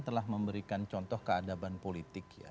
telah memberikan contoh keadaban politik ya